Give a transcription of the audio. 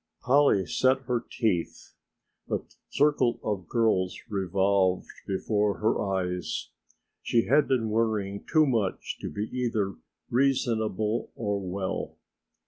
Polly set her teeth, the circle of girls revolved before her eyes, she had been worrying too much to be either reasonable or well.